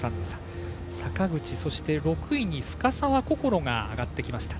坂口、６位に深沢こころが上がってきました。